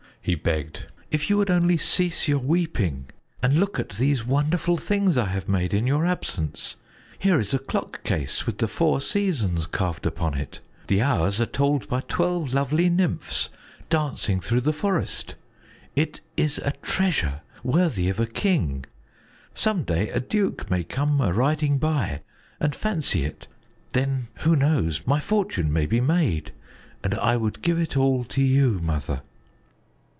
he begged. "If you would only cease your weeping and look at these wonderful things I have made in your absence. Here is a clock case with the four seasons carved upon it. The hours are told by twelve lovely nymphs dancing through the forest; it is a treasure worthy of a king. Some day a duke may come a riding by and fancy it then, who knows my fortune may be made, and I would give it all to you, Mother."